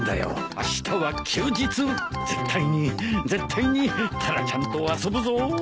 あしたは休日絶対に絶対にタラちゃんと遊ぶぞ。